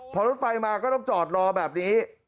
พอรถไฟมาก็ต้องจอดรอแบบนี้